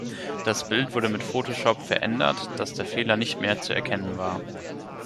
Das Bild wurde mit Photoshop verändert, dass der Fehler nicht mehr zu erkennen war.